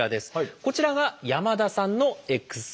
こちらが山田さんのＸ線写真。